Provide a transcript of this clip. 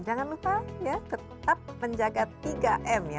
jangan lupa ya tetap menjaga tiga m ya